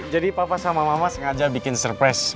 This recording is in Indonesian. jadi papa sama mama sengaja bikin surprise